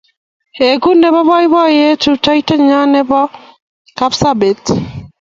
Egu nepo poipoyet rutoitonyo nepo Kapsabet